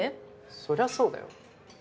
そりゃそうだよ。